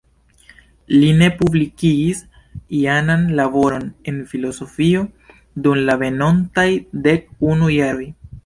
Li ne publikigis ajnan laboron en filozofio dum la venontaj dek unu jaroj.